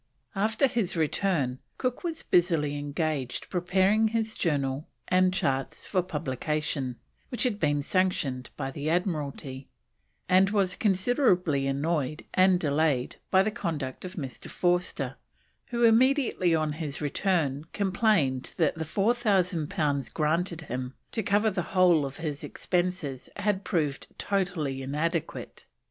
After his return Cook was busily engaged preparing his Journal and charts for publication, which had been sanctioned by the Admiralty, and was considerably annoyed and delayed by the conduct of Mr. Forster, who immediately on his return complained that the 4,000 pounds granted him to cover the whole of his expenses had proved totally inadequate.